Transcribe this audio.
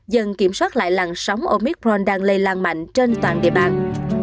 dần kiểm soát lại làng sóng omicron đang lây lan mạnh trên toàn địa bàn